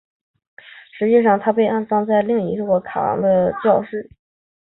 事实上她被安葬在另一座卡昂的教堂。